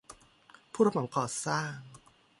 ผู้รับเหมาก่อสร้าง